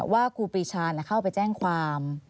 ครูปรีชาเข้าไปแจ้งความ